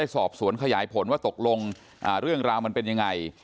สอบสวนขยายผลว่าตกลงเรื่องราวมันเป็นยังไง